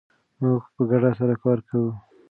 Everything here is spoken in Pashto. موږ په ګډه سره کار کوو.